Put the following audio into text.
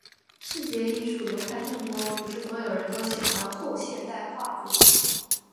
视觉艺术流派众多，不是所有人都喜欢后现代画作的。